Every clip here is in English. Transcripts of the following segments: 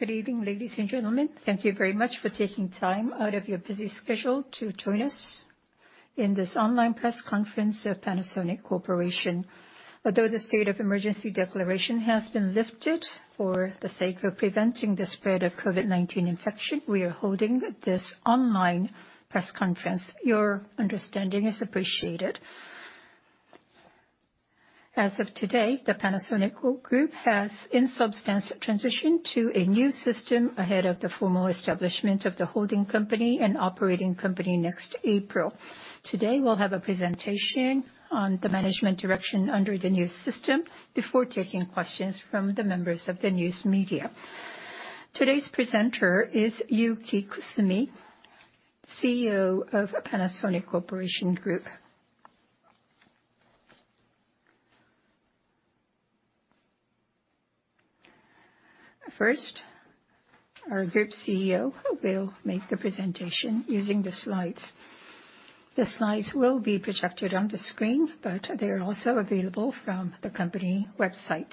Good evening, ladies and gentlemen. Thank you very much for taking time out of your busy schedule to join us in this online Press Conference of Panasonic Corporation. Although the state of emergency declaration has been lifted for the sake of preventing the spread of COVID-19 infection, we are holding this online press conference. Your understanding is appreciated. As of today, the Panasonic Group has in substance transitioned to a new system ahead of the formal establishment of the holding company and operating company next April. Today, we will have a presentation on the management direction under the new system before taking questions from the members of the news media. Today's presenter is Yuki Kusumi, CEO of Panasonic Corporation Group. First, our group CEO will make the presentation using the slides. The slides will be projected on the screen, but they are also available from the company website.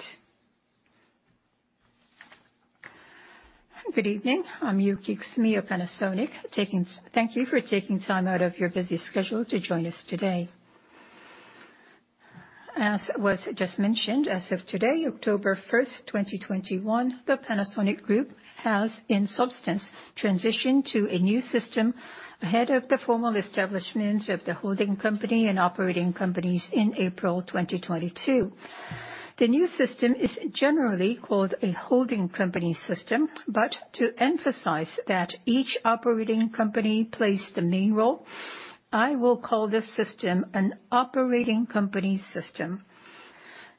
Good evening. I'm Yuki Kusumi of Panasonic. Thank you for taking time out of your busy schedule to join us today. As was just mentioned, as of today, October 1, 2021, the Panasonic Group has in substance transitioned to a new system ahead of the formal establishment of the holding company and operating companies in April 2022. The new system is generally called a holding company system, but to emphasize that each operating company plays the main role, I will call this system an operating company system.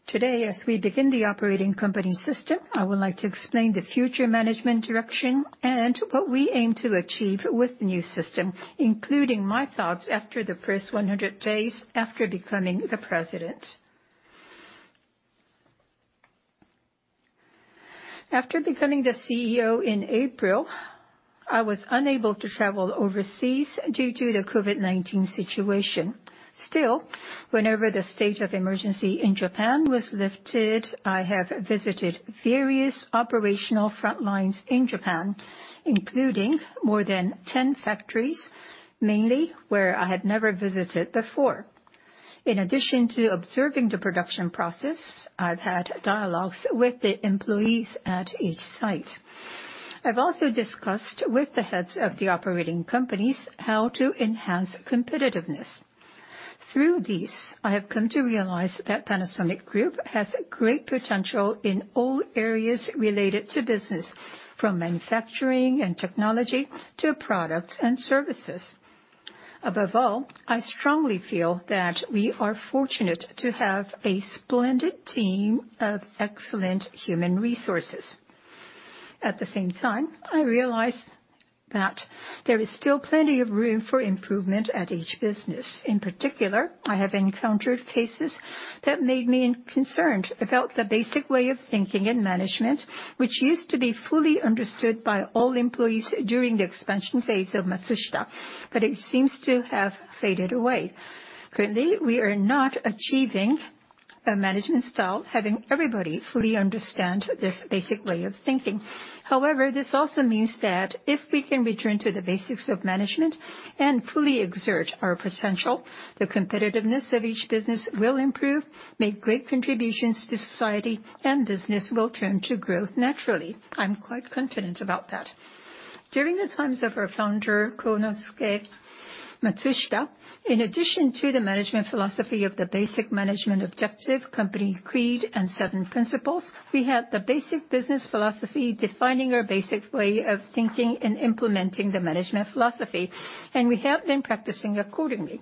Today, as we begin the operating company system, I would like to explain the future management direction and what we aim to achieve with the new system, including my thoughts after the first 100 days after becoming the president. After becoming the CEO in April, I was unable to travel overseas due to the COVID-19 situation. Still, whenever the state of emergency in Japan was lifted, I have visited various operational frontlines in Japan, including more than 10 factories, mainly where I had never visited before. In addition to observing the production process, I've had dialogues with the employees at each site. I've also discussed with the heads of the operating companies how to enhance competitiveness. Through these, I have come to realize that Panasonic Group has great potential in all areas related to business, from manufacturing and technology to products and services. Above all, I strongly feel that we are fortunate to have a splendid team of excellent human resources. At the same time, I realize that there is still plenty of room for improvement at each business. In particular, I have encountered cases that made me concerned about the basic way of thinking and management, which used to be fully understood by all employees during the expansion phase of Matsushita, but it seems to have faded away. Currently, we are not achieving a management style having everybody fully understand this basic way of thinking. However, this also means that if we can return to the basics of management and fully exert our potential, the competitiveness of each business will improve, make great contributions to society, and business will turn to growth naturally. I'm quite confident about that. During the times of our founder, Konosuke Matsushita, in addition to the management philosophy of the Basic Management Objective, Company Creed and Seven Principles, we had the Basic Business Philosophy defining our basic way of thinking and implementing the management philosophy, and we have been practicing accordingly.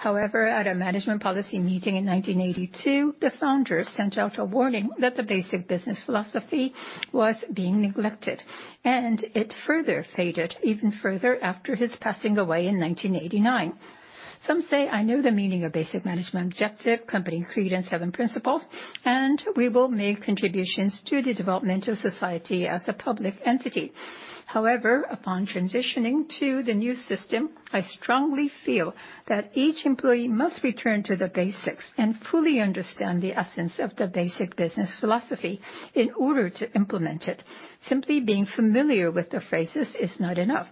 However, at a management policy meeting in 1982, the founder sent out a warning that the Basic Business Philosophy was being neglected, and it further faded even further after his passing away in 1989. Some say, "I know the meaning ofBasic Management Objective, Company Creed and Seven Principles, and we will make contributions to the development of society as a public entity." However, upon transitioning to the new system, I strongly feel that each employee must return to the basics and fully understand the essence of the Basic Business Philosophy in order to implement it. Simply being familiar with the phrases is not enough.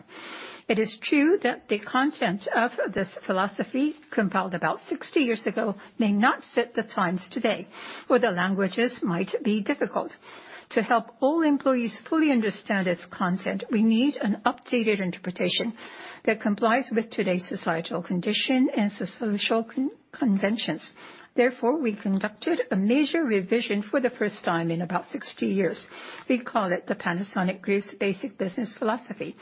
It is true that the content of this philosophy compiled about 60 years ago may not fit the times today, or the languages might be difficult. To help all employees fully understand its content, we need an updated interpretation that complies with today's societal condition and social conventions. Therefore, we conducted a major revision for the first time in about 60 years. We call it the Panasonic Group's Basic Business Philosophy.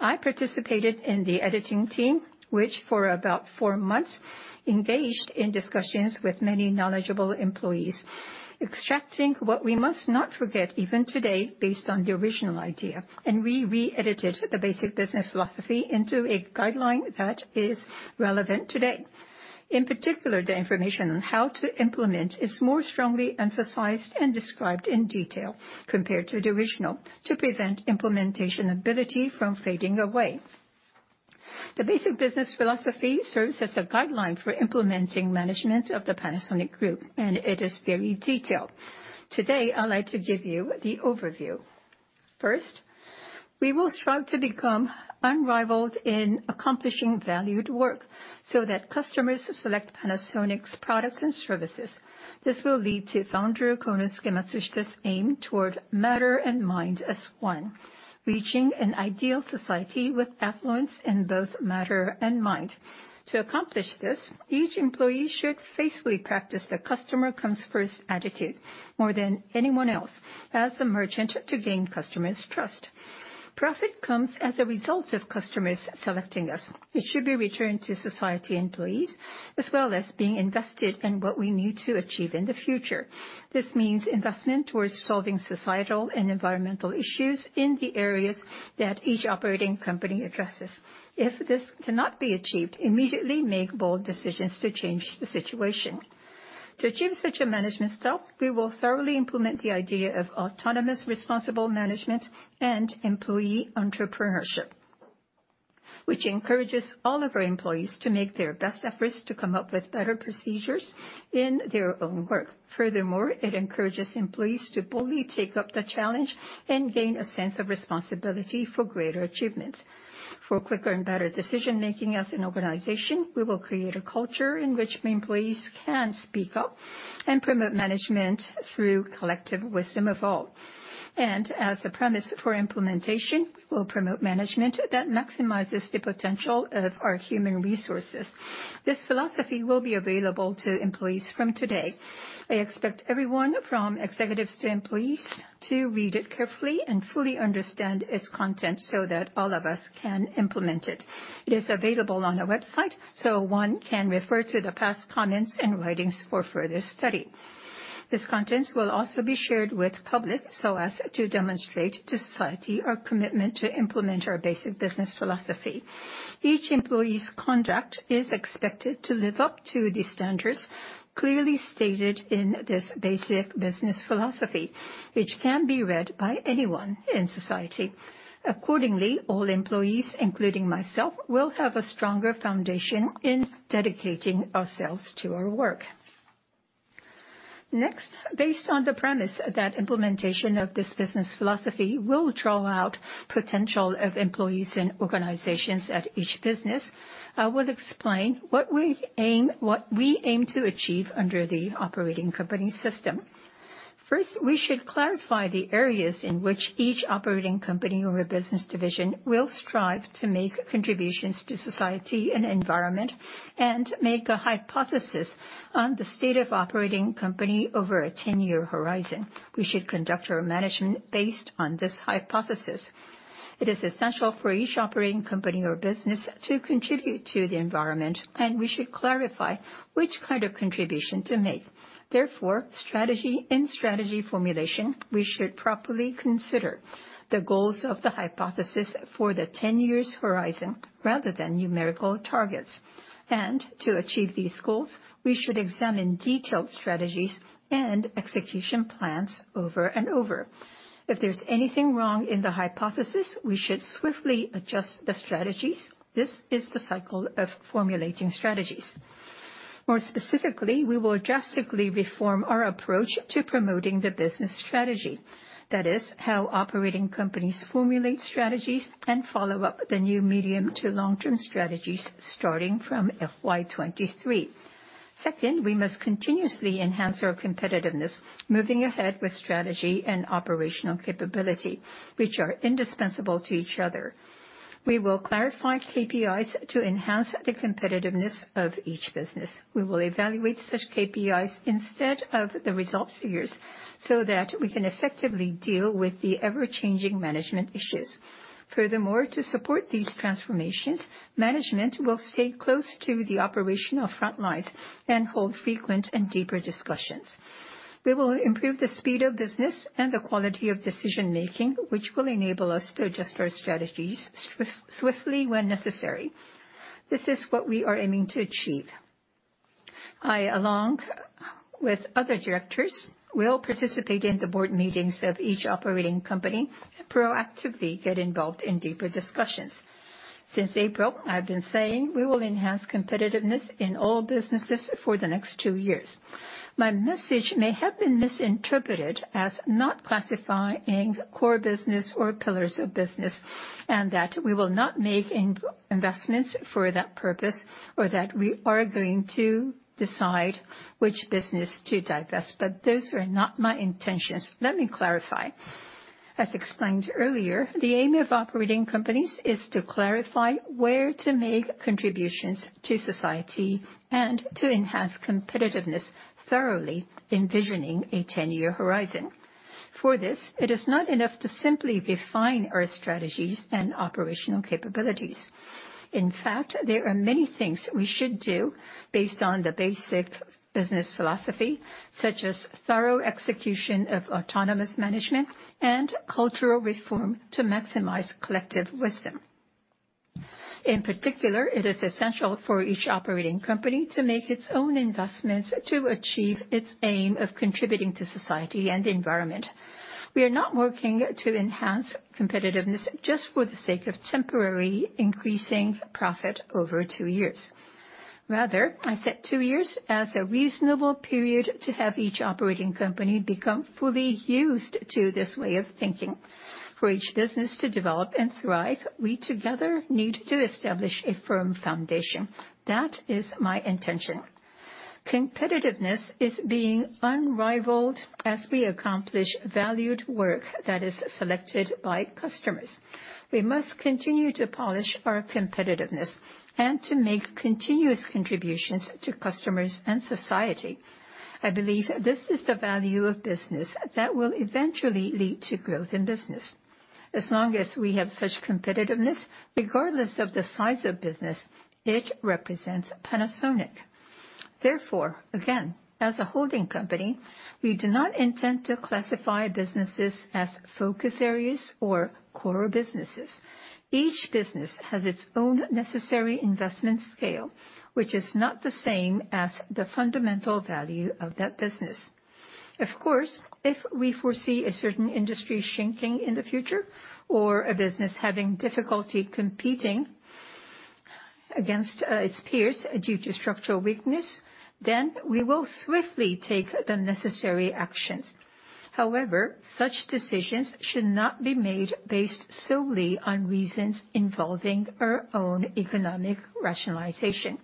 I participated in the editing team, which for about four months engaged in discussions with many knowledgeable employees, extracting what we must not forget even today based on the original idea, and we re-edited the Basic Business Philosophy into a guideline that is relevant today. In particular, the information on how to implement is more strongly emphasized and described in detail compared to the original to prevent implementation ability from fading away. The Basic Business Philosophy serves as a guideline for implementing management of the Panasonic Group, and it is very detailed. Today, I'd like to give you the overview. First, we will strive to become unrivaled in accomplishing valued work so that customers select Panasonic's products and services. This will lead to founder Konosuke Matsushita's aim toward matter and mind as one, reaching an ideal society with affluence in both matter and mind. To accomplish this, each employee should faithfully practice the customer comes first attitude more than anyone else as a merchant to gain customers' trust. Profit comes as a result of customers selecting us. It should be returned to society and employees as well as being invested in what we need to achieve in the future. This means investment towards solving societal and environmental issues in the areas that each operating company addresses. If this cannot be achieved, immediately make bold decisions to change the situation. To achieve such a management style, we will thoroughly implement the idea of Autonomous Responsible Management and employee entrepreneurship, which encourages all of our employees to make their best efforts to come up with better procedures in their own work. Furthermore, it encourages employees to boldly take up the challenge and gain a sense of responsibility for greater achievements. For quicker and better decision-making as an organization, we will create a culture in which employees can speak up and promote management through collective wisdom of all. As a premise for implementation, we will promote management that maximizes the potential of our human resources. This philosophy will be available to employees from today. I expect everyone from executives to employees to read it carefully and fully understand its content so that all of us can implement it. It is available on our website so one can refer to the past comments and writings for further study. This content will also be shared with the public so as to demonstrate to society our commitment to implement our Basic Business Philosophy. Each employee's conduct is expected to live up to the standards clearly stated in this Basic Business Philosophy, which can be read by anyone in society. Accordingly, all employees, including myself, will have a stronger foundation in dedicating ourselves to our work. Next, based on the premise that implementation of this business philosophy will draw out the potential of employees and organizations at each business, I will explain what we aim to achieve under the operating company system. First, we should clarify the areas in which each operating company or a business division will strive to make contributions to society and environment and make a hypothesis on the state of operating company over a 10-year horizon. We should conduct our management based on this hypothesis. It is essential for each operating company or business to contribute to the environment, and we should clarify which kind of contribution to make. Therefore, strategy and strategy formulation, we should properly consider the goals of the hypothesis for the 10-year horizon rather than numerical targets. To achieve these goals, we should examine detailed strategies and execution plans over and over. If there's anything wrong in the hypothesis, we should swiftly adjust the strategies. This is the cycle of formulating strategies. More specifically, we will drastically reform our approach to promoting the business strategy. That is how operating companies formulate strategies and follow up the new medium to long-term strategies starting from FY2023. Second, we must continuously enhance our competitiveness, moving ahead with strategy and operational capability, which are indispensable to each other. We will clarify KPIs to enhance the competitiveness of each business. We will evaluate such KPIs instead of the result figures so that we can effectively deal with the ever-changing management issues. Furthermore, to support these transformations, management will stay close to the operational frontlines and hold frequent and deeper discussions. We will improve the speed of business and the quality of decision-making, which will enable us to adjust our strategies swiftly when necessary. This is what we are aiming to achieve. I, along with other directors, will participate in the board meetings of each operating company and proactively get involved in deeper discussions. Since April, I've been saying we will enhance competitiveness in all businesses for the next two years. My message may have been misinterpreted as not classifying core business or pillars of business and that we will not make investments for that purpose or that we are going to decide which business to divest, but those are not my intentions. Let me clarify. As explained earlier, the aim of operating companies is to clarify where to make contributions to society and to enhance competitiveness thoroughly, envisioning a 10-year horizon. For this, it is not enough to simply refine our strategies and operational capabilities. In fact, there are many things we should do based on the Basic Business Philosophy, such as thorough execution of autonomous management and cultural reform to maximize collective wisdom. In particular, it is essential for each operating company to make its own investments to achieve its aim of contributing to society and the environment. We are not working to enhance competitiveness just for the sake of temporary increasing profit over two years. Rather, I set two years as a reasonable period to have each operating company become fully used to this way of thinking. For each business to develop and thrive, we together need to establish a firm foundation. That is my intention. Competitiveness is being unrivaled as we accomplish valued work that is selected by customers. We must continue to polish our competitiveness and to make continuous contributions to customers and society. I believe this is the value of business that will eventually lead to growth in business. As long as we have such competitiveness, regardless of the size of business, it represents Panasonic. Therefore, again, as a holding company, we do not intend to classify businesses as focus areas or core businesses. Each business has its own necessary investment scale, which is not the same as the fundamental value of that business. Of course, if we foresee a certain industry shrinking in the future or a business having difficulty competing against its peers due to structural weakness, then we will swiftly take the necessary actions. However, such decisions should not be made based solely on reasons involving our own economic rationalization.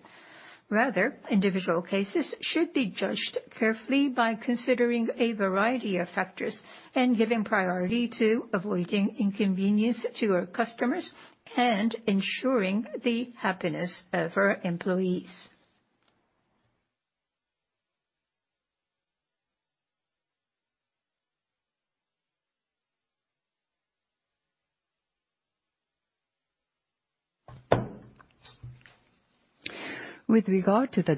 Rather, individual cases should be judged carefully by considering a variety of factors and giving priority to avoiding inconvenience to our customers and ensuring the happiness of our employees. With regard to the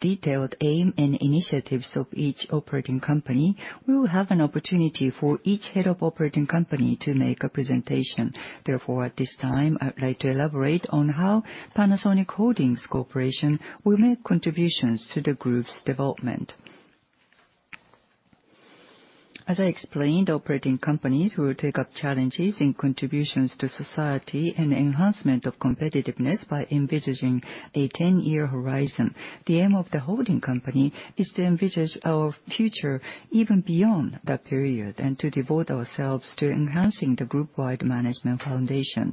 detailed aim and initiatives of each operating company, we will have an opportunity for each head of operating company to make a presentation. Therefore, at this time, I'd like to elaborate on how Panasonic Holdings Corporation will make contributions to the group's development. As I explained, operating companies will take up challenges in contributions to society and enhancement of competitiveness by envisaging a 10-year horizon. The aim of the holding company is to envisage our future even beyond that period and to devote ourselves to enhancing the group-wide management foundation.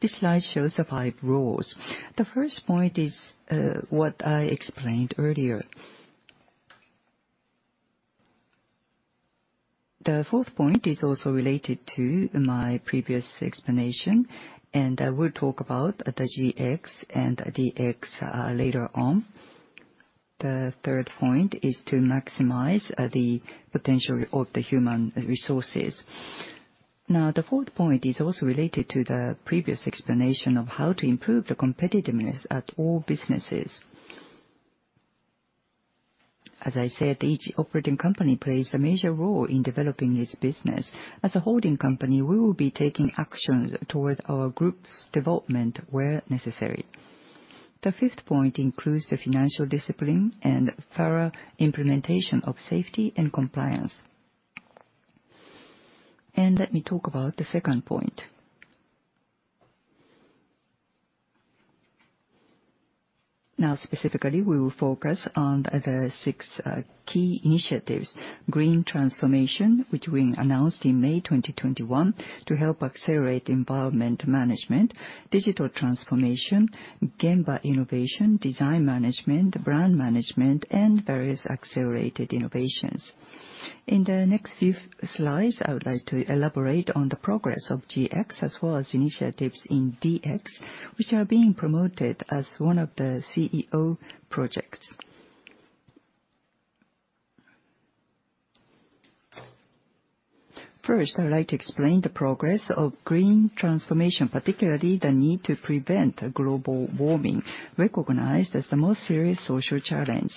This slide shows the five roles. The first point is what I explained earlier. The fourth point is also related to my previous explanation, and I will talk about the GX and DX later on. The third point is to maximize the potential of the human resources. Now, the fourth point is also related to the previous explanation of how to improve the competitiveness at all businesses. As I said, each operating company plays a major role in developing its business. As a holding company, we will be taking actions toward our group's development where necessary. The fifth point includes the financial discipline and thorough implementation of safety and compliance. Let me talk about the second point. Now, specifically, we will focus on the six key initiatives: Green Transformation, which we announced in May 2021 to help accelerate environment management; Digital Transformation; Gemba Innovation; Design Management; Brand Management; and various accelerated innovations. In the next few slides, I would like to elaborate on the progress of GX as well as initiatives in DX, which are being promoted as one of the CEO projects. First, I'd like to explain the progress of Green Transformation, particularly the need to prevent global warming, recognized as the most serious social challenge.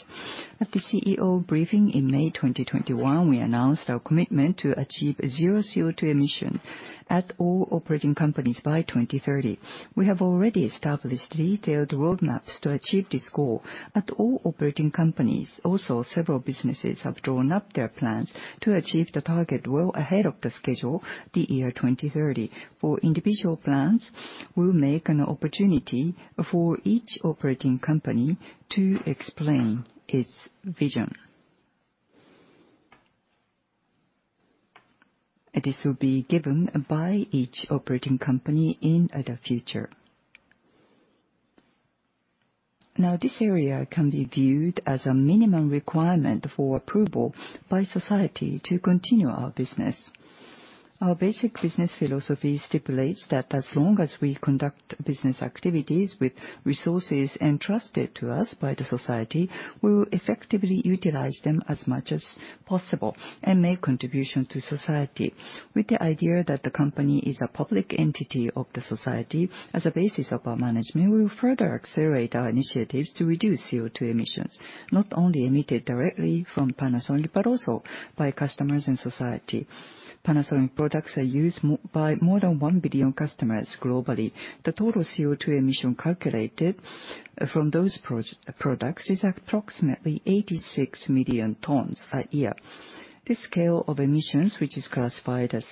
At the CEO briefing in May 2021, we announced our commitment to achieve zero CO2 emission at all operating companies by 2030. We have already established detailed roadmaps to achieve this goal at all operating companies. Also, several businesses have drawn up their plans to achieve the target well ahead of the schedule, the year 2030. For individual plans, we'll make an opportunity for each operating company to explain its vision. This will be given by each operating company in the future. Now, this area can be viewed as a minimum requirement for approval by society to continue our business. Our Basic Business Philosophy stipulates that as long as we conduct business activities with resources entrusted to us by the society, we will effectively utilize them as much as possible and make contributions to society. With the idea that the company is a public entity of the society as a basis of our management, we will further accelerate our initiatives to reduce CO2 emissions, not only emitted directly from Panasonic but also by customers and society. Panasonic products are used by more than 1 billion customers globally. The total CO2 emission calculated from those products is approximately 86 million tons a year. This scale of emissions, which is classified as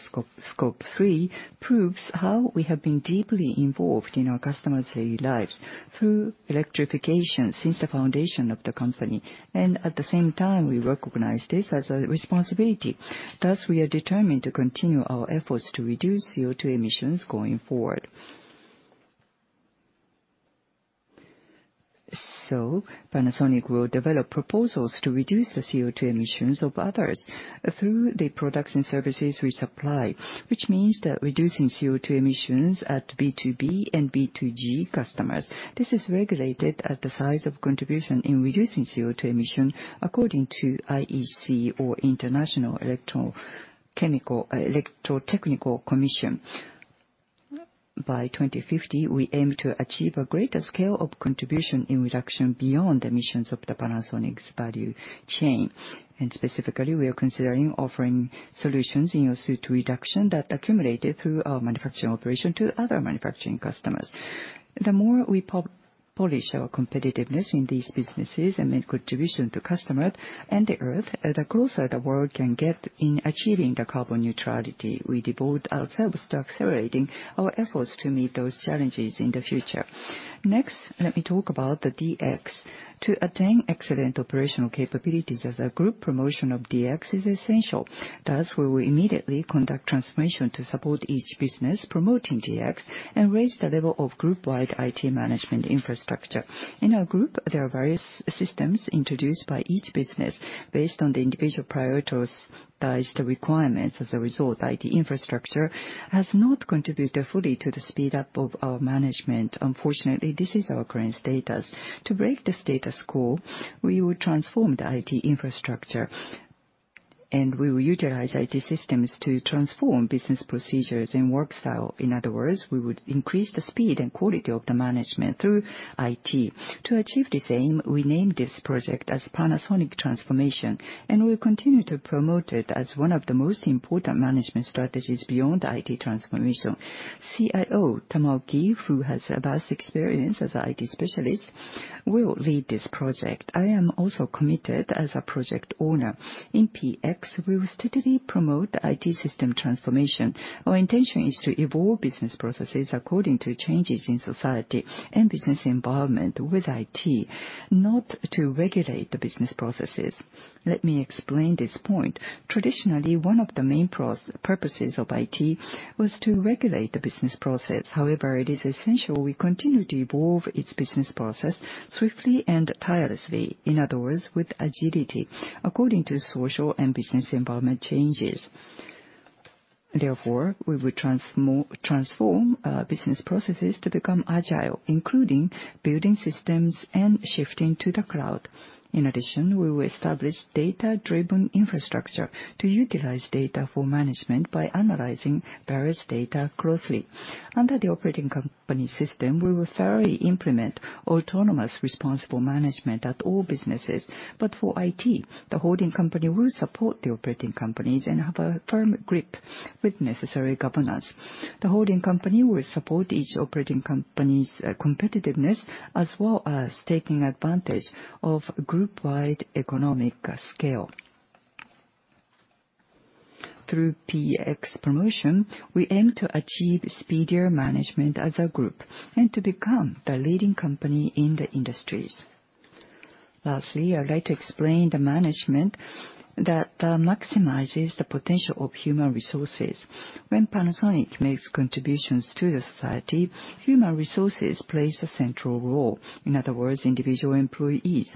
Scope 3, proves how we have been deeply involved in our customers' daily lives through electrification since the foundation of the company. At the same time, we recognize this as a responsibility. Thus, we are determined to continue our efforts to reduce CO2 emissions going forward. Panasonic will develop proposals to reduce the CO2 emissions of others through the products and services we supply, which means that reducing CO2 emissions at B2B and B2G customers. This is regulated at the size of contribution in reducing CO2 emission according to IEC, or International Electrotechnical Commission. By 2050, we aim to achieve a greater scale of contribution in reduction beyond the emissions of Panasonic's value chain. Specifically, we are considering offering solutions suited to reduction that accumulated through our manufacturing operation to other manufacturing customers. The more we polish our competitiveness in these businesses and make contributions to customers and the earth, the closer the world can get in achieving carbon neutrality. We devote ourselves to accelerating our efforts to meet those challenges in the future. Next, let me talk about the DX. To attain excellent operational capabilities as a group, promotion of DX is essential. Thus, we will immediately conduct transformation to support each business promoting DX and raise the level of group-wide IT management infrastructure. In our group, there are various systems introduced by each business based on the individual priorities. The requirements as a result, IT infrastructure has not contributed fully to the speed up of our management. Unfortunately, this is our current status. To break the status quo, we will transform the IT infrastructure, and we will utilize IT systems to transform business procedures and work style. In other words, we would increase the speed and quality of the management through IT. To achieve this aim, we named this project as Panasonic Transformation, and we will continue to promote it as one of the most important management strategies beyond IT transformation. CIO Tamaki-san, who has vast experience as an IT specialist, will lead this project. I am also committed as a project owner. In PX, we will steadily promote the IT system transformation. Our intention is to evolve business processes according to changes in society and business environment with IT, not to regulate the business processes. Let me explain this point. Traditionally, one of the main purposes of IT was to regulate the business process. However, it is essential we continue to evolve its business process swiftly and tirelessly. In other words, with agility, according to social and business environment changes. Therefore, we will transform business processes to become agile, including building systems and shifting to the cloud. In addition, we will establish data-driven infrastructure to utilize data for management by analyzing various data closely. Under the operating company system, we will thoroughly implement autonomous responsible management at all businesses. For IT, the holding company will support the operating companies and have a firm grip with necessary governance. The holding company will support each operating company's competitiveness as well as taking advantage of group-wide economic scale. Through PX promotion, we aim to achieve speedier management as a group and to become the leading company in the industries. Lastly, I'd like to explain the management that maximizes the potential of human resources. When Panasonic makes contributions to the society, human resources plays a central role. In other words, individual employees.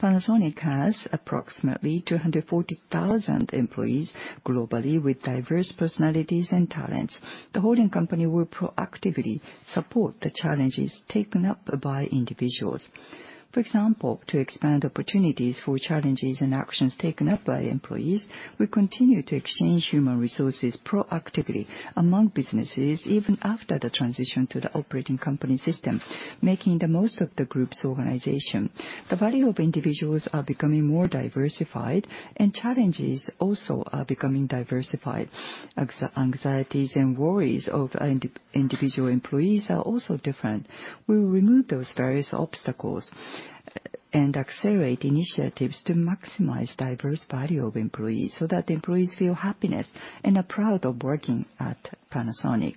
Panasonic has approximately 240,000 employees globally with diverse personalities and talents. The holding company will proactively support the challenges taken up by individuals. For example, to expand opportunities for challenges and actions taken up by employees, we continue to exchange human resources proactively among businesses even after the transition to the operating company system, making the most of the group's organization. The value of individuals is becoming more diversified, and challenges also are becoming diversified. Anxieties and worries of individual employees are also different. We will remove those various obstacles and accelerate initiatives to maximize the diverse value of employees so that employees feel happiness and are proud of working at Panasonic.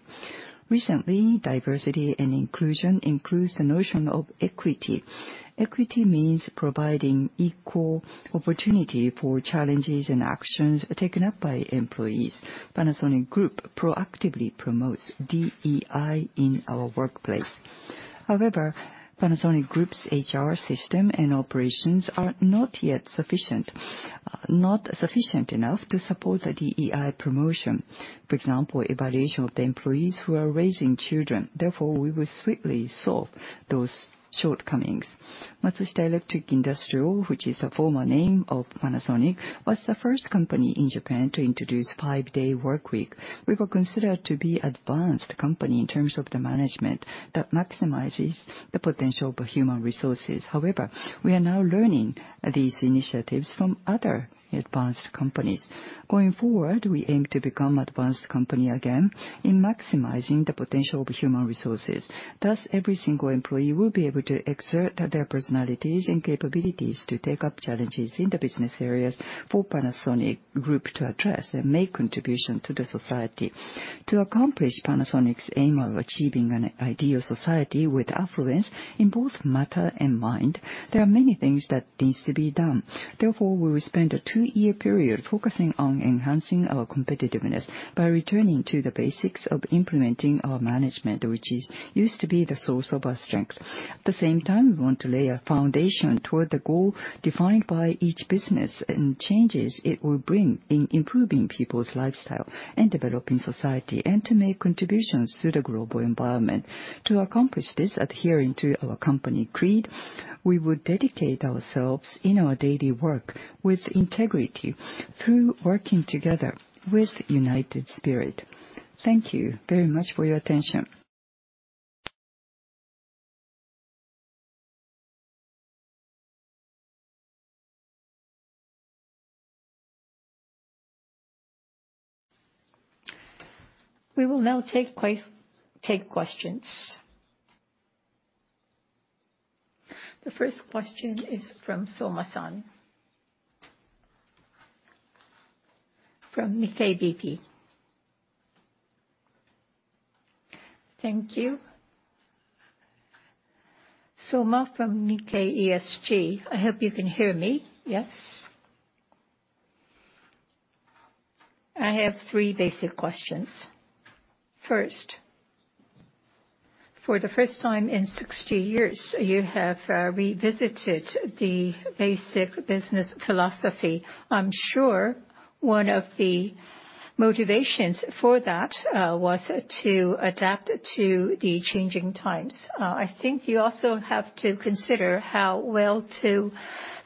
Recently, diversity and inclusion includes the notion of equity. Equity means providing equal opportunity for challenges and actions taken up by employees. Panasonic Group proactively promotes DEI in our workplace. However, Panasonic Group's HR system and operations are not yet sufficient enough to support the DEI promotion. For example, evaluation of the employees who are raising children. Therefore, we will swiftly solve those shortcomings. Matsushita Electric Industrial, which is the former name of Panasonic, was the first company in Japan to introduce a five-day workweek. We were considered to be an advanced company in terms of the management that maximizes the potential of human resources. However, we are now learning these initiatives from other advanced companies. Going forward, we aim to become an advanced company again in maximizing the potential of human resources. Thus, every single employee will be able to exert their personalities and capabilities to take up challenges in the business areas for Panasonic Group to address and make contributions to society. To accomplish Panasonic's aim of achieving an ideal society with affluence in both matter and mind, there are many things that need to be done. Therefore, we will spend a two-year period focusing on enhancing our competitiveness by returning to the basics of implementing our management, which used to be the source of our strength. At the same time, we want to lay a foundation toward the goal defined by each business and changes it will bring in improving people's lifestyle and developing society and to make contributions to the global environment. To accomplish this, adhering to our company creed, we will dedicate ourselves in our daily work with integrity through working together with a united spirit. Thank you very much for your attention. We will now take questions. The first question is from Soma-san, from Nikkei BP. Thank you. Soma from Nikkei ESG, I hope you can hear me. Yes? I have three basic questions. First, for the first time in 60 years, you have revisited the Basic Business Philosophy. I'm sure one of the motivations for that was to adapt to the changing times. I think you also have to consider how well to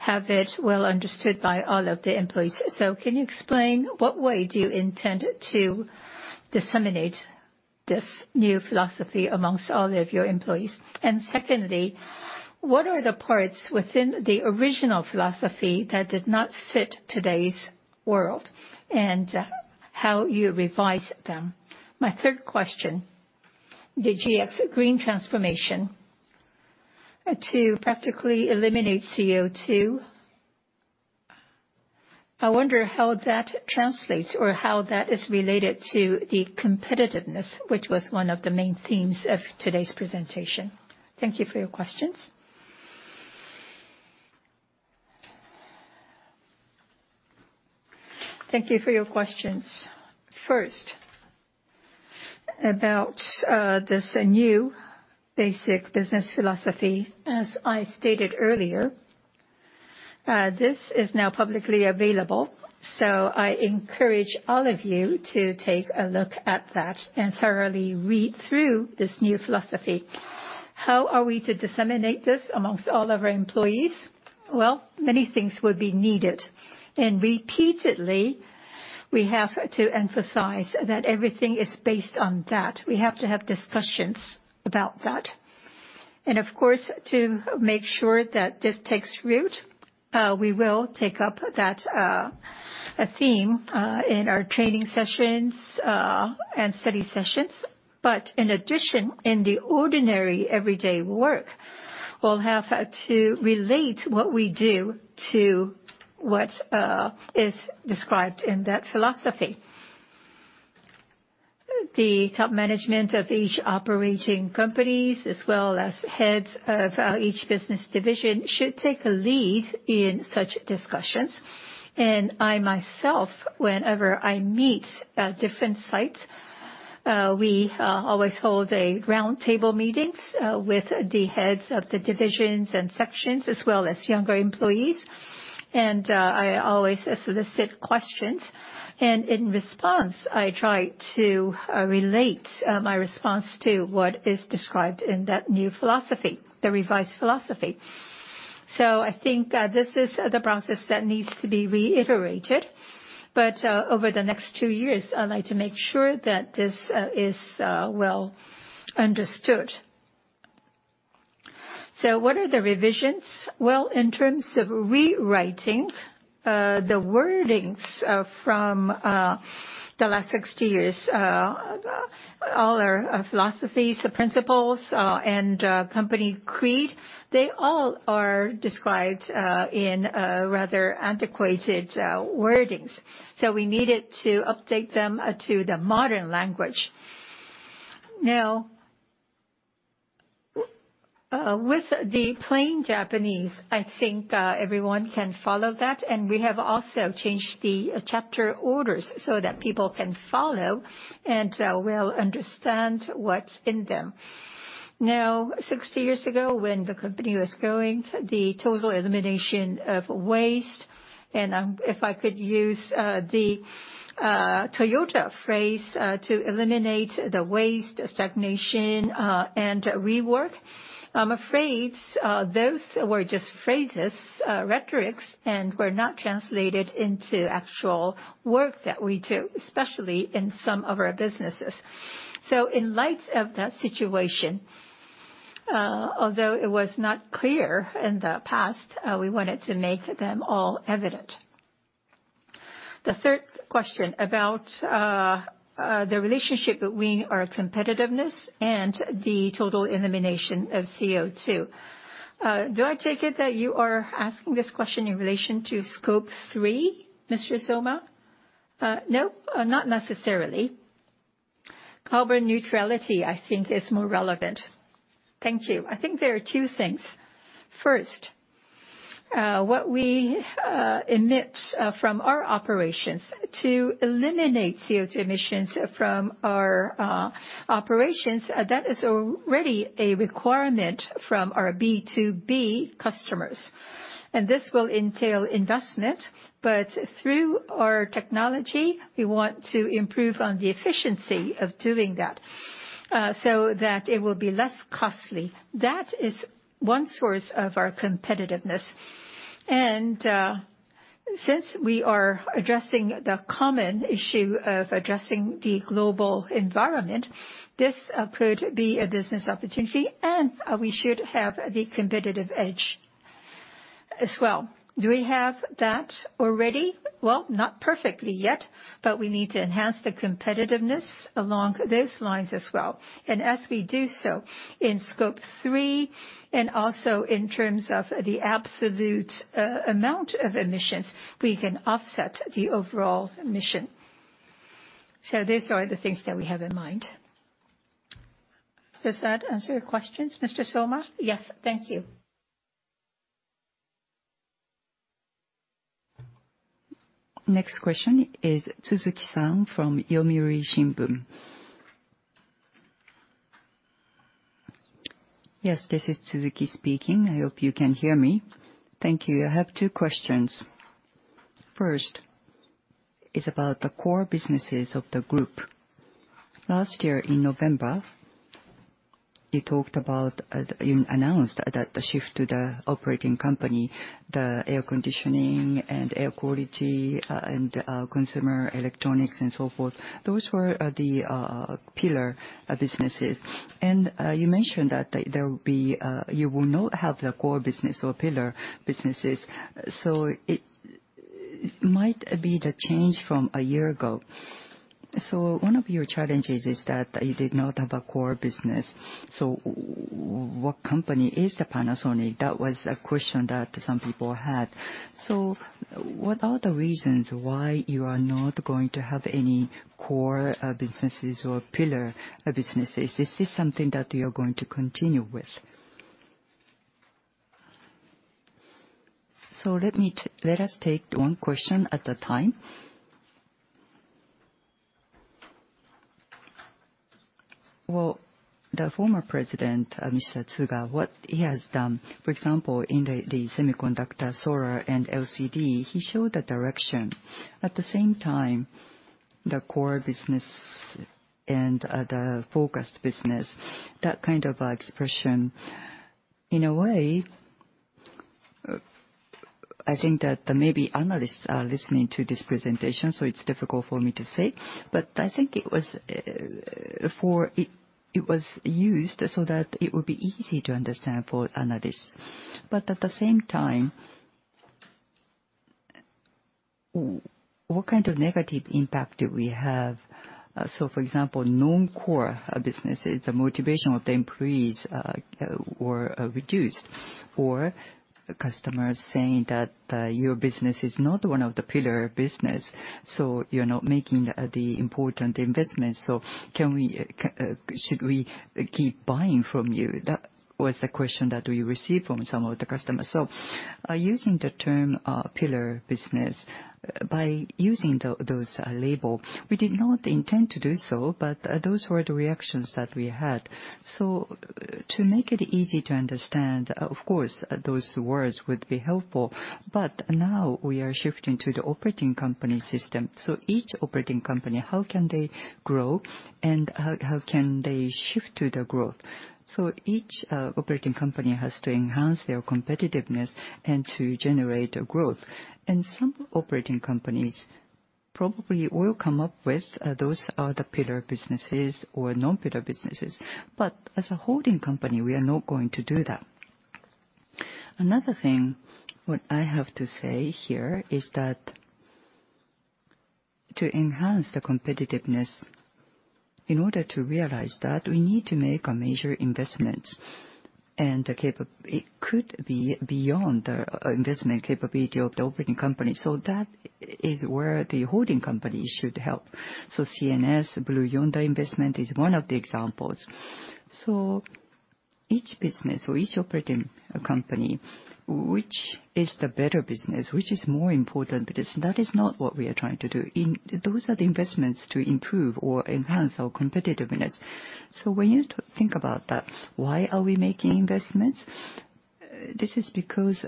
have it well understood by all of the employees. Can you explain what way do you intend to disseminate this new philosophy amongst all of your employees? Secondly, what are the parts within the original philosophy that did not fit today's world and how you revise them? My third question, the GX Green Transformation to practically eliminate CO2, I wonder how that translates or how that is related to the competitiveness, which was one of the main themes of today's presentation. Thank you for your questions. Thank you for your questions. First, about this new Basic Business Philosophy, as I stated earlier, this is now publicly available, so I encourage all of you to take a look at that and thoroughly read through this new philosophy. How are we to disseminate this amongst all of our employees? Many things would be needed. Repeatedly, we have to emphasize that everything is based on that. We have to have discussions about that. Of course, to make sure that this takes root, we will take up that theme in our training sessions and study sessions. In addition, in the ordinary everyday work, we'll have to relate what we do to what is described in that philosophy. The top management of each operating company, as well as heads of each business division, should take a lead in such discussions. I myself, whenever I meet different sites, we always hold roundtable meetings with the heads of the divisions and sections, as well as younger employees. I always solicit questions. In response, I try to relate my response to what is described in that new philosophy, the revised philosophy. I think this is the process that needs to be reiterated. Over the next two years, I'd like to make sure that this is well understood. What are the revisions? In terms of rewriting the wordings from the last 60 years, all our philosophies, the principles, and company creed, they all are described in rather antiquated wordings. We needed to update them to the modern language. Now, with the plain Japanese, I think everyone can follow that. We have also changed the chapter orders so that people can follow and will understand what's in them. Now, 60 years ago, when the company was going, the total elimination of waste, and if I could use the Toyota phrase to eliminate the waste, stagnation, and rework, I'm afraid those were just phrases, rhetorics, and were not translated into actual work that we do, especially in some of our businesses. In light of that situation, although it was not clear in the past, we wanted to make them all evident. The third question about the relationship between our competitiveness and the total elimination of CO2. Do I take it that you are asking this question in relation to Scope 3, Mr. Soma? No, not necessarily. Carbon neutrality, I think, is more relevant. Thank you. I think there are two things. First, what we emit from our operations to eliminate CO2 emissions from our operations, that is already a requirement from our B2B customers. This will entail investment, but through our technology, we want to improve on the efficiency of doing that so that it will be less costly. That is one source of our competitiveness. Since we are addressing the common issue of addressing the global environment, this could be a business opportunity, and we should have the competitive edge as well. Do we have that already? Not perfectly yet, but we need to enhance the competitiveness along those lines as well. As we do so in Scope 3 and also in terms of the absolute amount of emissions, we can offset the overall mission. These are the things that we have in mind. Does that answer your questions, Mr. Soma? Yes, thank you. Next question is Tsuzuki-san from Yomiuri Shimbun. Yes, this is Tsuzuki speaking. I hope you can hear me. Thank you. I have two questions. First is about the core businesses of the group. Last year in November, you talked about you announced that the shift to the operating company, the air conditioning and air quality and consumer electronics and so forth, those were the pillar businesses. You mentioned that you will not have the core business or pillar businesses. It might be the change from a year ago. One of your challenges is that you did not have a core business. What company is the Panasonic? That was a question that some people had. What are the reasons why you are not going to have any core businesses or pillar businesses? Is this something that you are going to continue with? Let us take one question at a time. The former President, Mr. Tsuga, what he has done, for example, in the semiconductor, solar, and LCD, he showed the direction. At the same time, the core business and the focused business, that kind of expression. In a way, I think that maybe analysts are listening to this presentation, so it's difficult for me to say. I think it was used so that it would be easy to understand for analysts. At the same time, what kind of negative impact do we have? For example, non-core businesses, the motivation of the employees were reduced, or customers saying that your business is not one of the pillar business, so you're not making the important investments. Should we keep buying from you? That was the question that we received from some of the customers. Using the term pillar business, by using those labels, we did not intend to do so, but those were the reactions that we had. To make it easy to understand, of course, those words would be helpful. Now we are shifting to the operating company system. Each operating company, how can they grow, and how can they shift to the growth? Each operating company has to enhance their competitiveness and to generate growth. Some operating companies probably will come up with those other pillar businesses or non-pillar businesses. As a holding company, we are not going to do that. Another thing I have to say here is that to enhance the competitiveness, in order to realize that, we need to make major investments. It could be beyond the investment capability of the operating company. That is where the holding company should help. CNS, Blue Yonder investment is one of the examples. Each business or each operating company, which is the better business, which is more important business, that is not what we are trying to do. Those are the investments to improve or enhance our competitiveness. When you think about that, why are we making investments? This is because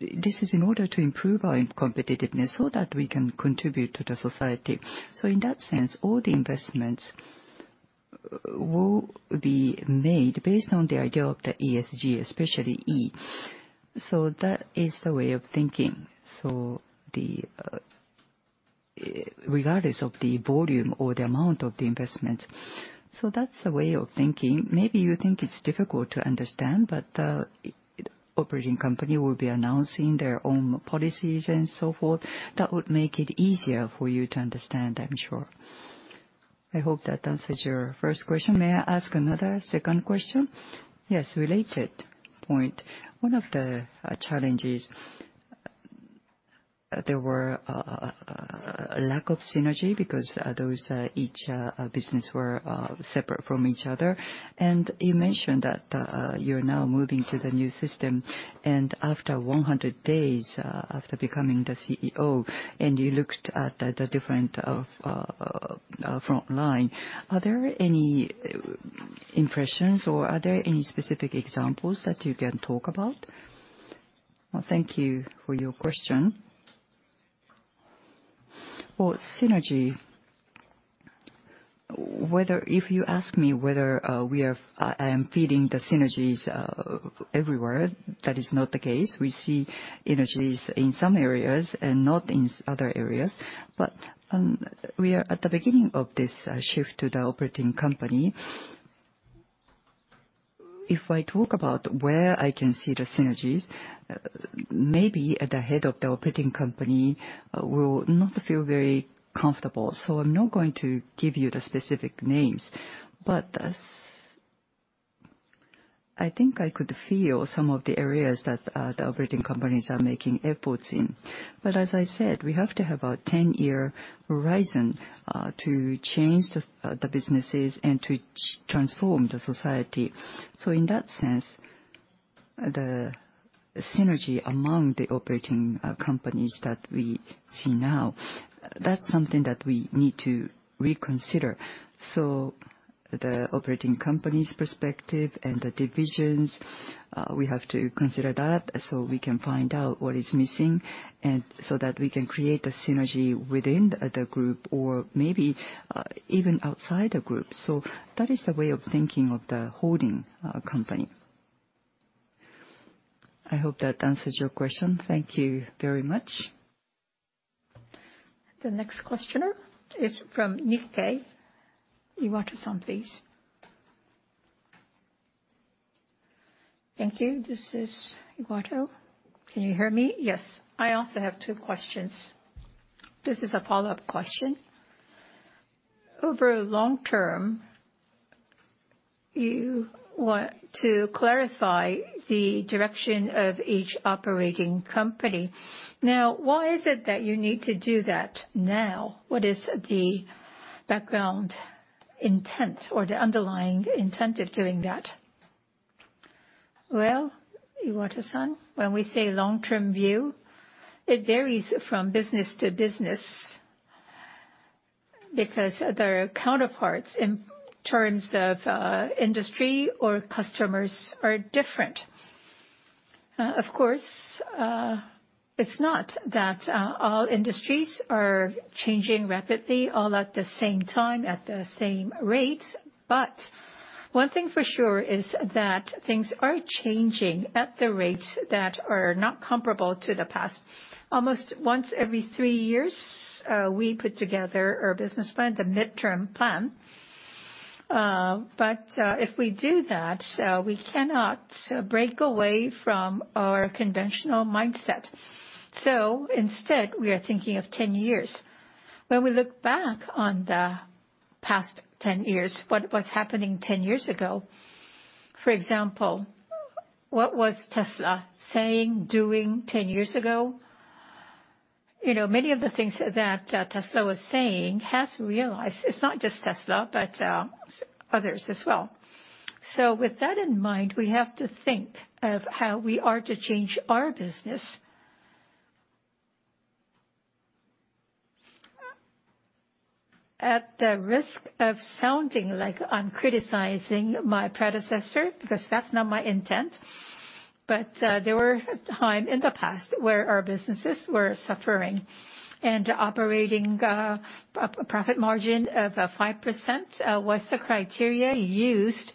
this is in order to improve our competitiveness so that we can contribute to the society. In that sense, all the investments will be made based on the idea of the ESG, especially E. That is the way of thinking. Regardless of the volume or the amount of the investments, that is the way of thinking. Maybe you think it's difficult to understand, but the operating company will be announcing their own policies and so forth. That would make it easier for you to understand, I'm sure. I hope that answers your first question. May I ask another second question? Yes, related point. One of the challenges, there were a lack of synergy because each business was separate from each other. You mentioned that you're now moving to the new system. After 100 days after becoming the CEO, and you looked at the different front line, are there any impressions or are there any specific examples that you can talk about? Thank you for your question. Synergy, if you ask me whether I am feeling the synergies everywhere, that is not the case. We see synergies in some areas and not in other areas. We are at the beginning of this shift to the operating company. If I talk about where I can see the synergies, maybe the head of the operating company will not feel very comfortable. I am not going to give you the specific names. I think I could feel some of the areas that the operating companies are making efforts in. As I said, we have to have a 10-year horizon to change the businesses and to transform the society. In that sense, the synergy among the operating companies that we see now, that is something that we need to reconsider. The operating company's perspective and the divisions, we have to consider that so we can find out what is missing so that we can create a synergy within the group or maybe even outside the group. That is the way of thinking of the holding company. I hope that answers your question. Thank you very much. The next questioner is from Nikkei. Iwato-san, please. Thank you. This is Iwato. Can you hear me? Yes. I also have two questions. This is a follow-up question. Over long term, you want to clarify the direction of each operating company. Now, why is it that you need to do that now? What is the background intent or the underlying intent of doing that? Iwato-san, when we say long-term view, it varies from business to business because their counterparts in terms of industry or customers are different. Of course, it is not that all industries are changing rapidly all at the same time, at the same rate. One thing for sure is that things are changing at the rates that are not comparable to the past. Almost once every three years, we put together our business plan, the midterm plan. If we do that, we cannot break away from our conventional mindset. Instead, we are thinking of 10 years. When we look back on the past 10 years, what was happening 10 years ago? For example, what was Tesla saying, doing 10 years ago? Many of the things that Tesla was saying has realized. It's not just Tesla, but others as well. With that in mind, we have to think of how we are to change our business. At the risk of sounding like I'm criticizing my predecessor, because that's not my intent, there were times in the past where our businesses were suffering. An operating profit margin of 5% was the criteria used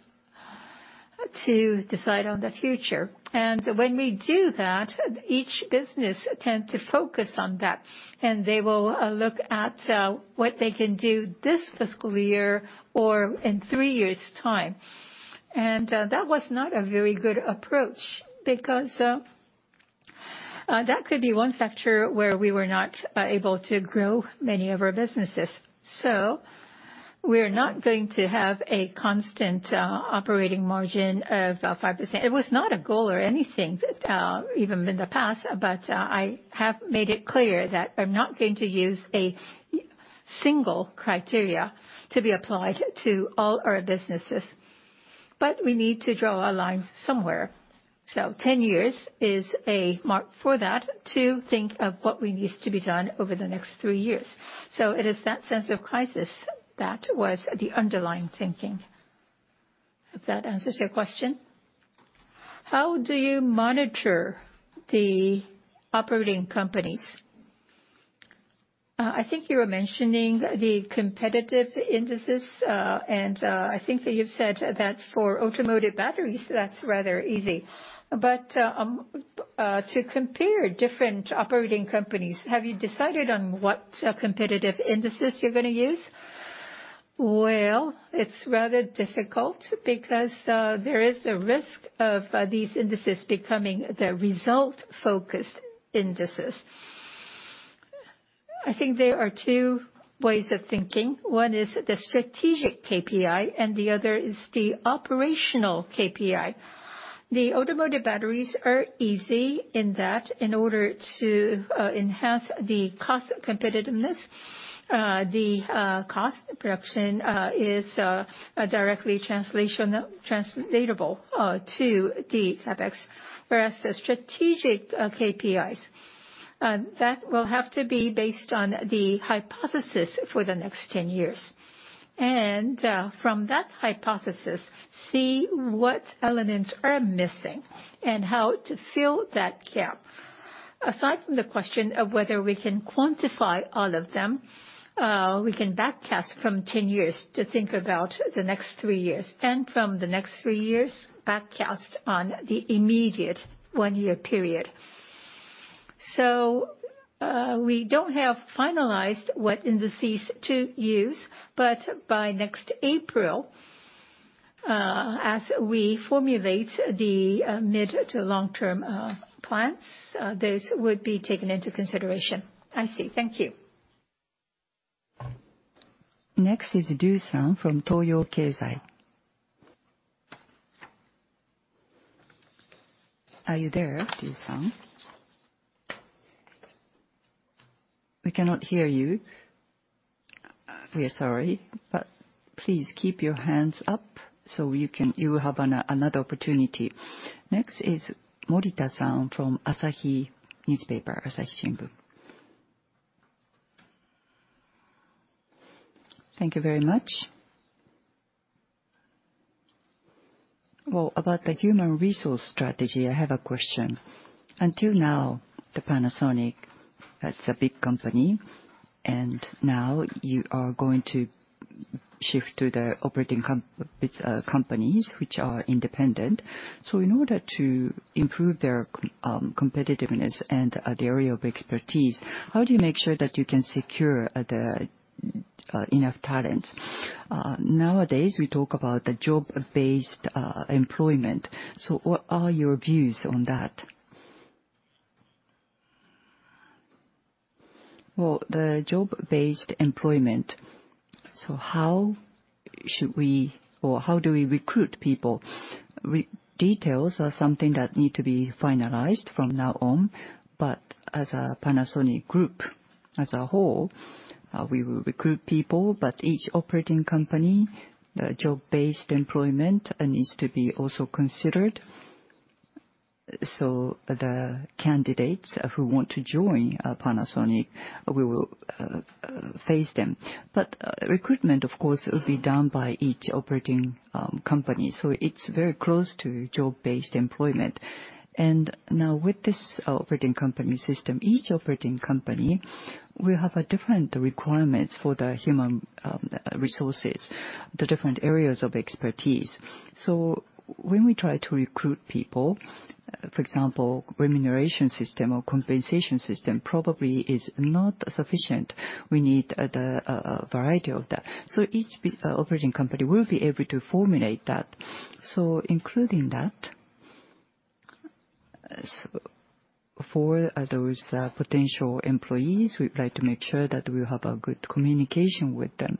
to decide on the future. When we do that, each business tends to focus on that. They will look at what they can do this fiscal year or in three years' time. That was not a very good approach because that could be one factor where we were not able to grow many of our businesses. We are not going to have a constant operating margin of 5%. It was not a goal or anything even in the past, but I have made it clear that I am not going to use a single criteria to be applied to all our businesses. We need to draw a line somewhere. Ten years is a mark for that to think of what needs to be done over the next three years. It is that sense of crisis that was the underlying thinking. If that answers your question. How do you monitor the operating companies? I think you were mentioning the competitive indices, and I think that you've said that for automotive batteries, that's rather easy. To compare different operating companies, have you decided on what competitive indices you're going to use? It's rather difficult because there is a risk of these indices becoming the result-focused indices. I think there are two ways of thinking. One is the strategic KPI, and the other is the operational KPI. The automotive batteries are easy in that in order to enhance the cost competitiveness, the cost production is directly translatable to the CapEx. The strategic KPIs will have to be based on the hypothesis for the next 10 years. From that hypothesis, see what elements are missing and how to fill that gap. Aside from the question of whether we can quantify all of them, we can backcast from 10 years to think about the next three years. From the next three years, backcast on the immediate one-year period. We do not have finalized what indices to use, but by next April, as we formulate the mid to long-term plans, those would be taken into consideration. I see. Thank you. Next is Liu-san from Toyo Keizai. Are you there, Liu-san? We cannot hear you. We are sorry. Please keep your hands up so you will have another opportunity. Next is Morita-san from Asahi Shimbun. Thank you very much. About the human resource strategy, I have a question. Until now, Panasonic, that is a big company. Now you are going to shift to the operating companies, which are independent. In order to improve their competitiveness and their area of expertise, how do you make sure that you can secure enough talent? Nowadays, we talk about the job-based employment. What are your views on that? The job-based employment, so how should we or how do we recruit people? Details are something that need to be finalized from now on. As a Panasonic Group, as a whole, we will recruit people. Each operating company, the job-based employment needs to be also considered. The candidates who want to join Panasonic, we will face them. Recruitment, of course, will be done by each operating company. It is very close to job-based employment. Now with this operating company system, each operating company will have different requirements for the human resources, the different areas of expertise. When we try to recruit people, for example, remuneration system or compensation system probably is not sufficient. We need a variety of that. Each operating company will be able to formulate that. Including that, for those potential employees, we'd like to make sure that we have good communication with them.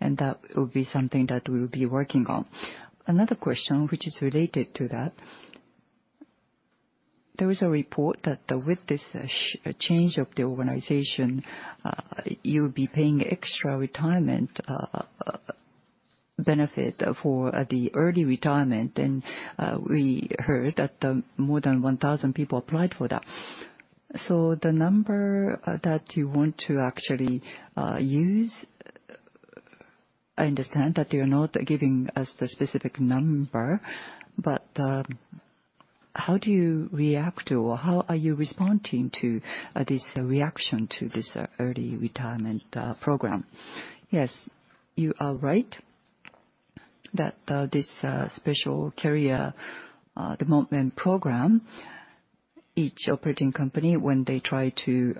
That will be something that we'll be working on. Another question which is related to that. There was a report that with this change of the organization, you'll be paying extra retirement benefit for the early retirement. We heard that more than 1,000 people applied for that. The number that you want to actually use, I understand that you're not giving us the specific number, but how do you react or how are you responding to this reaction to this early retirement program? Yes, you are right that this Special Career Development Program, each operating company, when they try to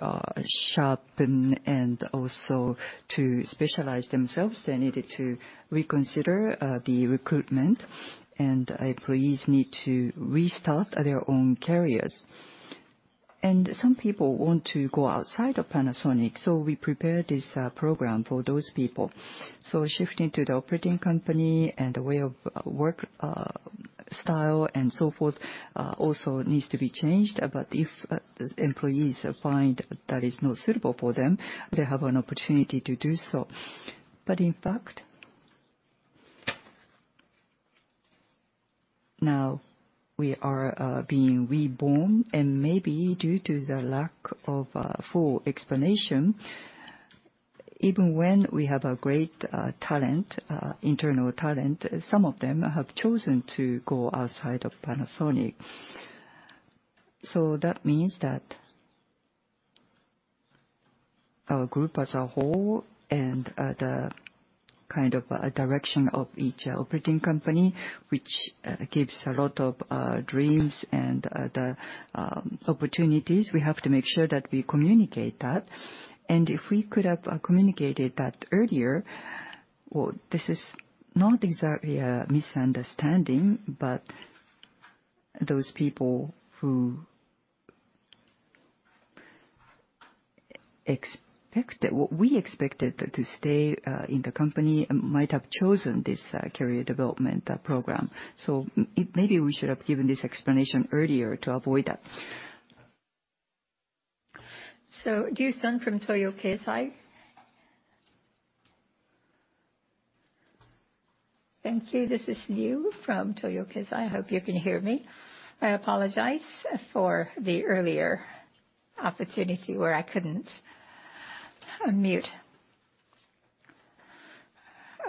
sharpen and also to specialize themselves, they needed to reconsider the recruitment. Employees need to restart their own careers. Some people want to go outside of Panasonic. We prepared this program for those people. Shifting to the operating company and the way of work style and so forth also needs to be changed. If employees find that it's not suitable for them, they have an opportunity to do so. In fact, now we are being reborn. Maybe due to the lack of full explanation, even when we have a great talent, internal talent, some of them have chosen to go outside of Panasonic. That means that our group as a whole and the kind of direction of each operating company, which gives a lot of dreams and opportunities, we have to make sure that we communicate that. If we could have communicated that earlier, this is not exactly a misunderstanding, but those people who expected what we expected to stay in the company might have chosen this career development program. Maybe we should have given this explanation earlier to avoid that. Liu-san from Toyo Keizai Thank you. This is Liu from Toyo Keizai. I hope you can hear me. I apologize for the earlier opportunity where I could not unmute.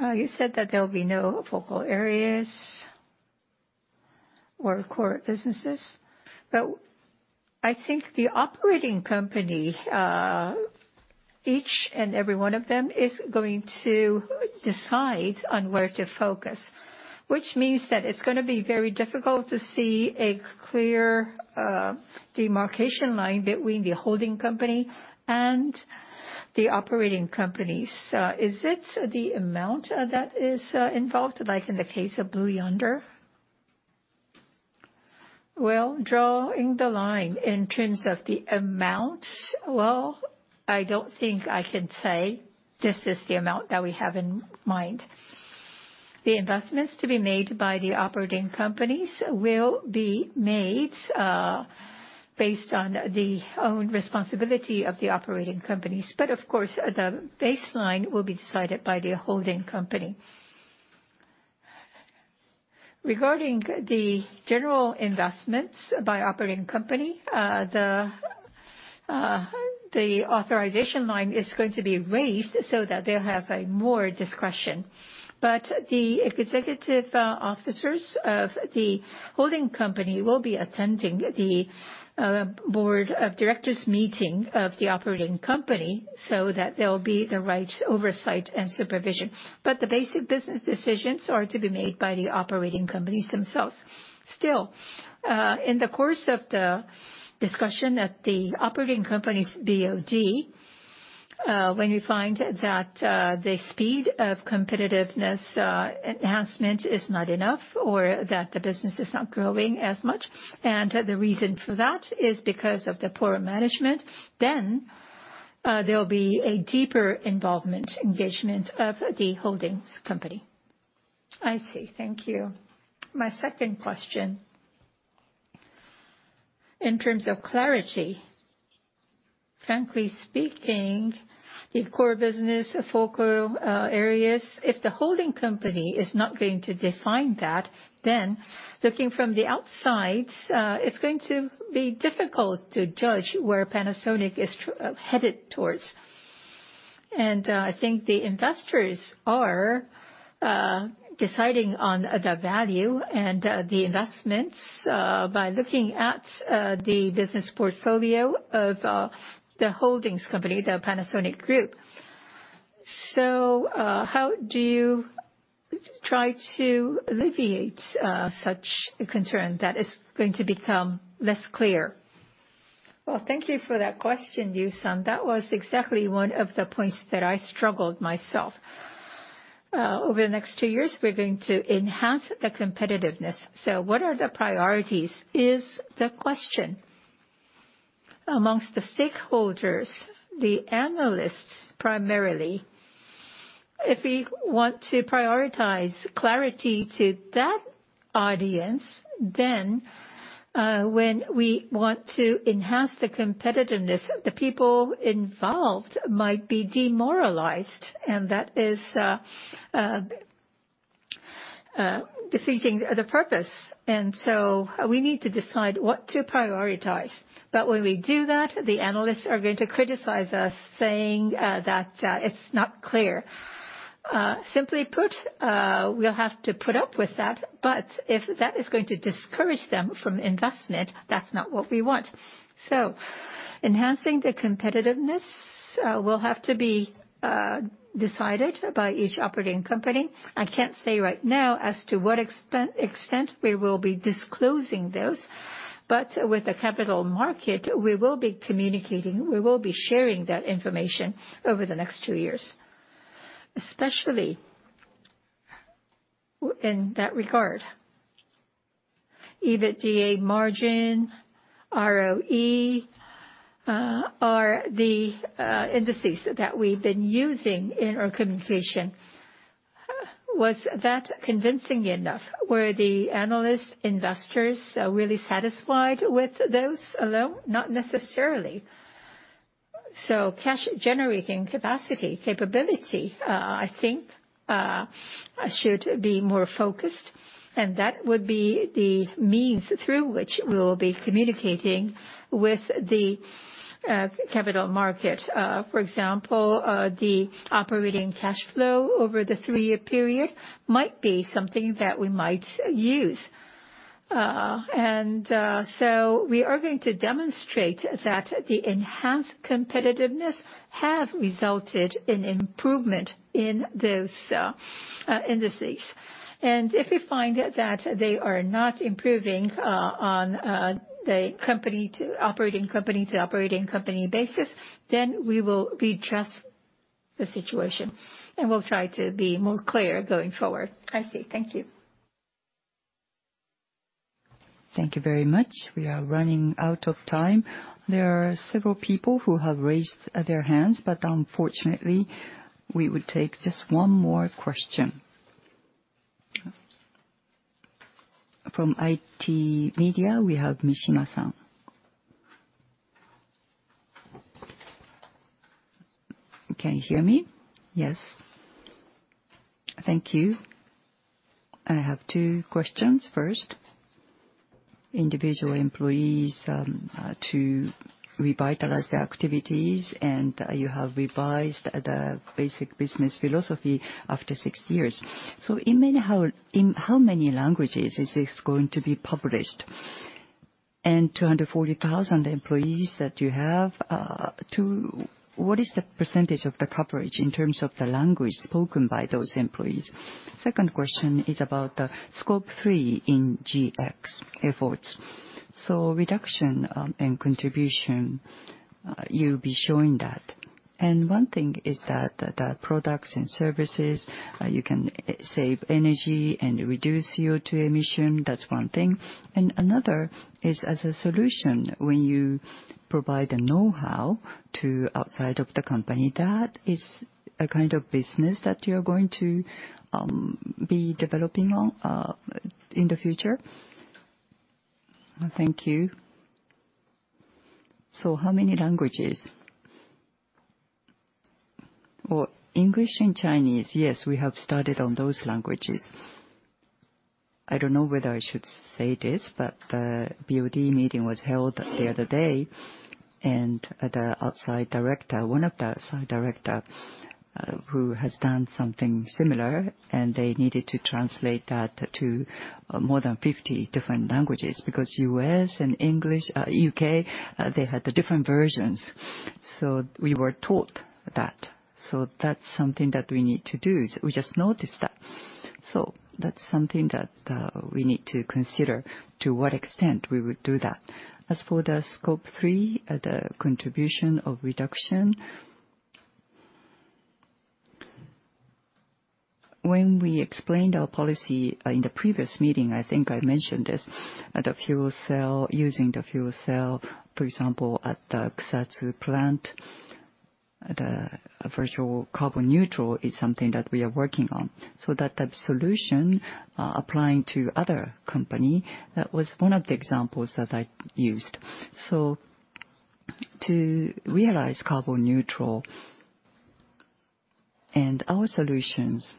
You said that there will be no focal areas or core businesses. I think the operating company, each and every one of them, is going to decide on where to focus, which means that it's going to be very difficult to see a clear demarcation line between the holding company and the operating companies. Is it the amount that is involved, like in the case of Blue Yonder? Drawing the line in terms of the amount, I don't think I can say this is the amount that we have in mind. The investments to be made by the operating companies will be made based on the own responsibility of the operating companies. Of course, the baseline will be decided by the holding company. Regarding the general investments by operating company, the authorization line is going to be raised so that they'll have more discretion. The executive officers of the holding company will be attending the board of directors meeting of the operating company so that there will be the right oversight and supervision. The basic business decisions are to be made by the operating companies themselves. Still, in the course of the discussion at the operating company's BOD, when we find that the speed of competitiveness enhancement is not enough or that the business is not growing as much, and the reason for that is because of the poor management, there will be a deeper involvement, engagement of the holding company. I see. Thank you. My second question. In terms of clarity, frankly speaking, the core business focal areas, if the holding company is not going to define that, then looking from the outside, it's going to be difficult to judge where Panasonic is headed towards. I think the investors are deciding on the value and the investments by looking at the business portfolio of the holdings company, the Panasonic Group. How do you try to alleviate such a concern that is going to become less clear? Thank you for that question, Liu-san. That was exactly one of the points that I struggled myself. Over the next two years, we're going to enhance the competitiveness. What are the priorities is the question. Amongst the stakeholders, the analysts primarily, if we want to prioritize clarity to that audience, when we want to enhance the competitiveness, the people involved might be demoralized. That is defeating the purpose. We need to decide what to prioritize. When we do that, the analysts are going to criticize us, saying that it's not clear. Simply put, we'll have to put up with that. If that is going to discourage them from investment, that's not what we want. Enhancing the competitiveness will have to be decided by each operating company. I can't say right now as to what extent we will be disclosing those. With the capital market, we will be communicating. We will be sharing that information over the next two years, especially in that regard. EBITDA margin, ROE, are the indices that we've been using in our communication. Was that convincing enough? Were the analysts, investors really satisfied with those alone? Not necessarily. Cash-generating capacity, capability, I think should be more focused. That would be the means through which we will be communicating with the capital market. For example, the operating cash flow over the three-year period might be something that we might use. We are going to demonstrate that the enhanced competitiveness has resulted in improvement in those indices. If we find that they are not improving on the operating company to operating company basis, then we will redress the situation. We will try to be more clear going forward. I see. Thank you. Thank you very much. We are running out of time. There are several people who have raised their hands, but unfortunately, we would take just one more question. From ITmedia, we have Mishima-san. Can you hear me? Yes. Thank you. I have two questions. First, individual employees to revitalize their activities, and you have revised the Basic Business Philosophy after six years. In how many languages is this going to be published? And 240,000 employees that you have, what is the percentage of the coverage in terms of the language spoken by those employees? Second question is about Scope 3 in GX efforts. Reduction and contribution, you'll be showing that. One thing is that the products and services, you can save energy and reduce CO2 emission. That's one thing. Another is as a solution, when you provide a know-how to outside of the company, that is a kind of business that you're going to be developing in the future. Thank you. How many languages? English and Chinese, yes, we have started on those languages. I don't know whether I should say this, but the BOD meeting was held the other day, and the outside director, one of the outside directors, who has done something similar, and they needed to translate that to more than 50 different languages because U.S. and U.K., they had the different versions. We were taught that. That's something that we need to do. We just noticed that. That's something that we need to consider to what extent we would do that. As for the Scope 3, the contribution of reduction, when we explained our policy in the previous meeting, I think I mentioned this, the fuel cell, using the fuel cell, for example, at the Kusatsu plant, the virtual carbon neutral is something that we are working on. That solution applying to other company, that was one of the examples that I used. To realize carbon neutral and our solutions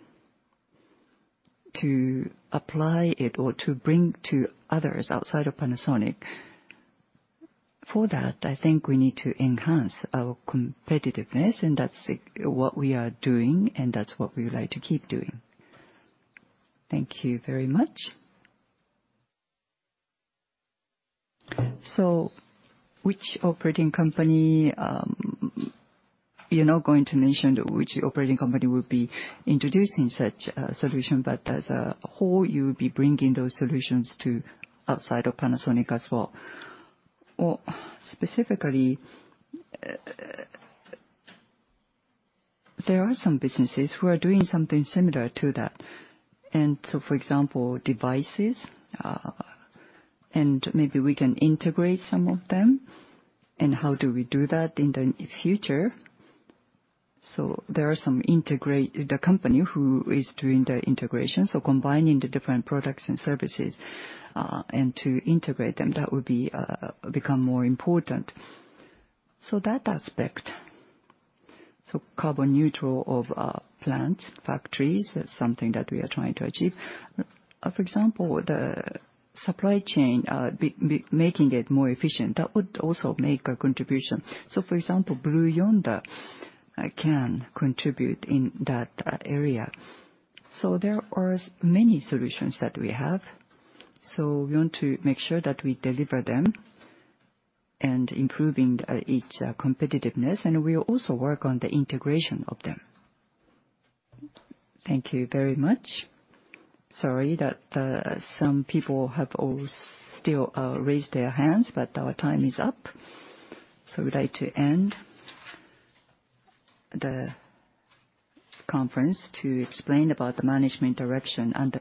to apply it or to bring to others outside of Panasonic, for that, I think we need to enhance our competitiveness, and that's what we are doing, and that's what we would like to keep doing. Thank you very much. Which operating company, you're not going to mention which operating company will be introducing such a solution, but as a whole, you will be bringing those solutions to outside of Panasonic as well. Specifically, there are some businesses who are doing something similar to that. For example, devices, and maybe we can integrate some of them. How do we do that in the future? There are some integrated company who is doing the integration. Combining the different products and services and to integrate them, that would become more important. That aspect. Carbon neutral of plants, factories, that's something that we are trying to achieve. For example, the supply chain, making it more efficient, that would also make a contribution. For example, Blue Yonder can contribute in that area. There are many solutions that we have. We want to make sure that we deliver them and improving each competitiveness. We will also work on the integration of them. Thank you very much. Sorry that some people have still raised their hands, but our time is up. We would like to end the conference to explain about the management direction under.